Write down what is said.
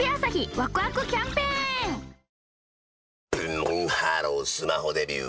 ブンブンハロースマホデビュー！